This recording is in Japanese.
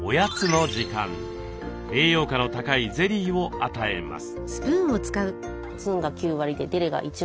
栄養価の高いゼリーを与えます。